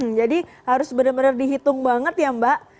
hmm jadi harus benar benar dihitung banget ya mbak